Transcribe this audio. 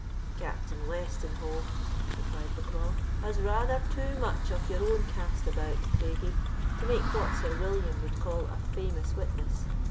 "Captain Westenho," replied Bucklaw, "has rather too much of your own cast about, Craigie, to make what Sir William would call a 'famous witness.